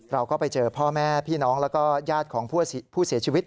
เราก็ไปเจอพ่อแม่พี่น้องแล้วก็ญาติของผู้เสียชีวิต